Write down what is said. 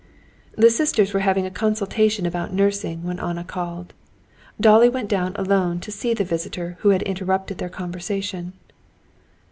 The sisters were having a consultation about nursing when Anna called. Dolly went down alone to see the visitor who had interrupted their conversation.